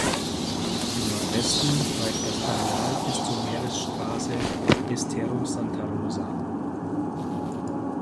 Im Nordwesten reicht das Areal bis zur Meeresstraße "Estero Santa Rosa".